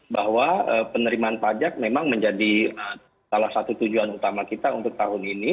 bahwa penerimaan pajak memang menjadi salah satu tujuan utama kita untuk tahun ini